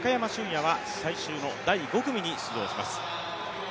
野は最終の第５組に出場します。